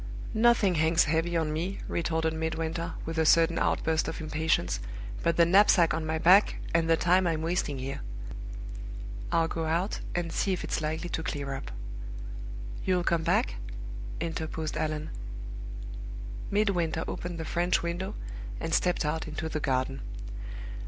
"Nothing hangs heavy on me," retorted Midwinter, with a sudden outburst of impatience, "but the knapsack on my back, and the time I'm wasting here. I'll go out, and see if it's likely to clear up." "You'll come back?" interposed Allan. Midwinter opened the French window, and stepped out into the garden.